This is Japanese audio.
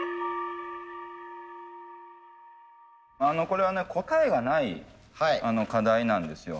これはね答えがない課題なんですよ。